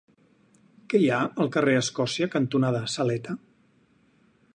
Què hi ha al carrer Escòcia cantonada Saleta?